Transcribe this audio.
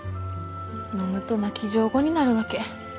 飲むと泣き上戸になるわけ。